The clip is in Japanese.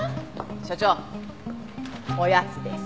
所長おやつです。